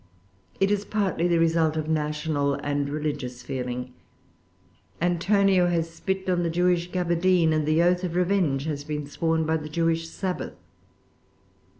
It is partly the result of national and religious feeling: Antonio has spit on the Jewish gaberdine; and the oath of revenge has been sworn by the Jewish Sabbath.